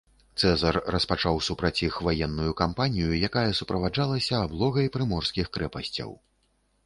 Цэзар распачаў супраць іх ваенную кампанію, якая суправаджалася аблогай прыморскіх крэпасцяў.